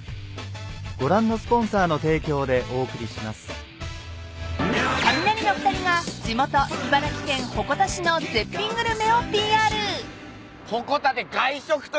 新「グリーンズフリー」［カミナリの２人が地元茨城県鉾田市の絶品グルメをＰＲ］